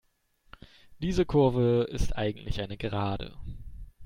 Diese Kurve ist eigentlich eine Gerade.